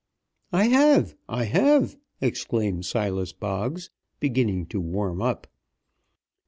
"I have! I have!" exclaimed Silas Boggs, beginning to warm up.